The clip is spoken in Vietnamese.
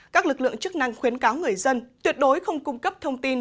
các lực lượng chức năng khuyến cáo người dân tuyệt đối không cung cấp thông tin